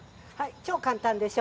超簡単でしょ？